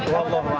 ya itu kan